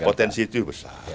potensi itu besar